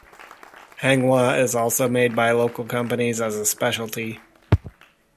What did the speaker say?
Hangwa is also made by local companies as a specialty.